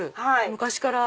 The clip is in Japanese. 昔から。